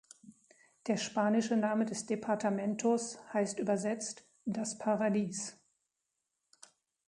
Der spanische Name des Departamentos heißt übersetzt "das Paradies".